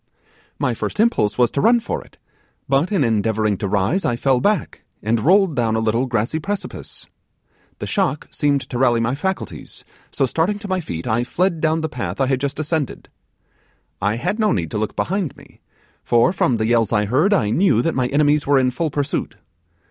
'My first impulse was to run for it; but, in endeavouring to rise, I fell back, and rolled down a little grassy precipice. The shock seemed to rally my faculties; so, starting to my feet, I fled down the path I had just ascended. I had no need to look behind me, for, from the yells I heard, I knew that my enemies were in full pursuit.